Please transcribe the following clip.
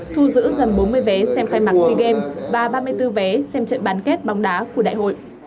thu giữ gần bốn mươi vé xem khai mạc sea games và ba mươi bốn vé xem trận bán kết bóng đá của đại hội